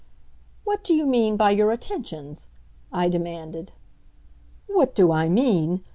"What do you mean by your attentions?" I demanded. "What do I mean!